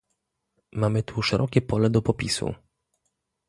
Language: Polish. Mamy tu szerokie pole do popisu